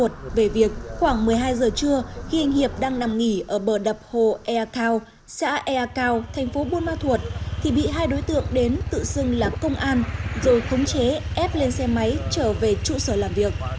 trong đợt đập hồ ea cao xã ea cao thành phố buôn ma thuột thì bị hai đối tượng đến tự xưng là công an rồi khống chế ép lên xe máy trở về trụ sở làm việc